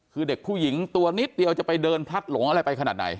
คือเด็กผู้หญิงตัวนิดเดียวจะไปเดินพลัดหลงอะไรไปขนาดไหน